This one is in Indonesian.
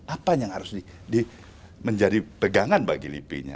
apa yang harus menjadi pegangan bagi lipi nya